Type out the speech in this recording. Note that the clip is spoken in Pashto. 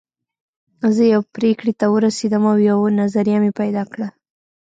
زه يوې پرېکړې ته ورسېدم او يوه نظريه مې پيدا کړه.